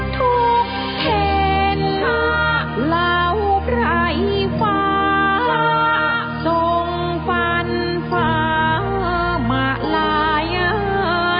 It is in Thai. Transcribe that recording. ทุกเถ็นหาเหล่าไพรฟ้าสงฝันฟ้ามะลายสินต์